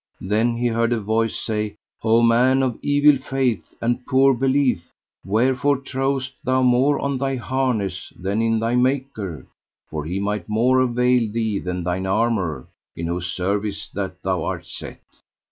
Then heard he a voice say: O man of evil faith and poor belief, wherefore trowest thou more on thy harness than in thy Maker, for He might more avail thee than thine armour, in whose service that thou art set.